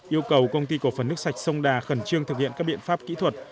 yêu cầu công ty cổ phần nước sạch sông đà khẩn trương thực hiện các biện pháp kỹ thuật